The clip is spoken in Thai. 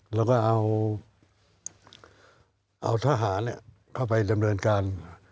แล้วก็เอาทหารเข้าไปดำเนินการ